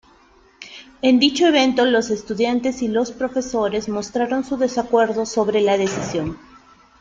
En dicho evento los estudiantes y los profesores mostraron su desacuerdo sobre la decisión.